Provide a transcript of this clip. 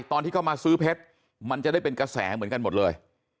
ตอนที่เข้ามาซื้อเพชรมันจะได้เป็นกระแสเหมือนกันหมดเลย